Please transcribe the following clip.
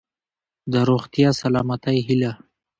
د روغتیا ،سلامتۍ هيله .💡